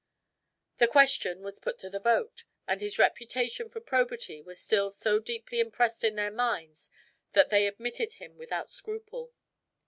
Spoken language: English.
The question was put to the vote, and his reputation for probity was still so deeply impressed in their minds, that they admitted him without scruple.